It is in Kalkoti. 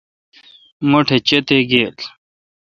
مٹھ چے° گی یے°